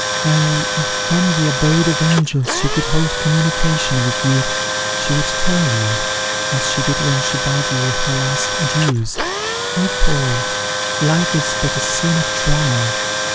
Ah! if from the abode of angels she could hold communication with you, she would tell you, as she did when she bade you her last adieus, 'O, Paul! life is but a scene of trial.